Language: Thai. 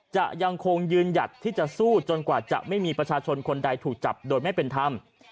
จะยังคงยืนหยัดที่จะสู้จนกว่าจะไม่มีประชาชนคนใดถูกจับโดยไม่เป็นธรรม